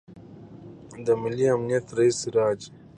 د ملي امنیت رئیس سراج